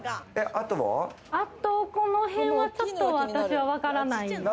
あとこの辺はちょっと私はわからない。